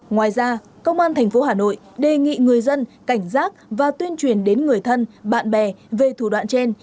ngoài ra công an tp hà nội đề nghị người dân cảnh giác và tuyên truyền đến người thân bạn bè về thủ đoạn trên